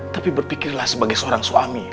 tapi berpikirlah sebagai seorang suami